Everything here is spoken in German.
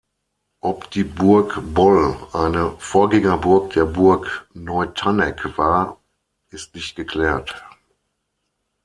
Ob die Burg Boll eine Vorgängerburg der Burg Neu-Tannegg war, ist nicht geklärt.